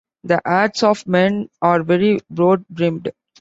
The hats of the men are very broad brimmed.